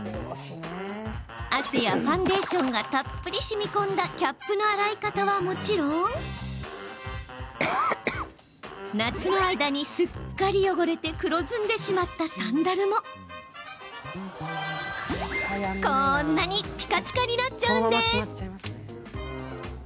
汗やファンデーションがたっぷりしみこんだキャップの洗い方はもちろん夏の間にすっかり汚れて黒ずんでしまったサンダルもこんなにピカピカになっちゃうんです。